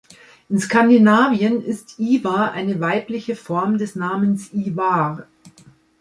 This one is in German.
In Skandinavien ist Iva eine weibliche Form des Namens Ivar.